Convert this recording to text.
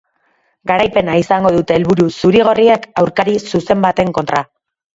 Garaipena izango dute helburu zuri-gorriek aurkari zuzen baten kontra.